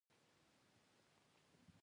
• غاښونه د خولې د فعالیتونو مرکز دي.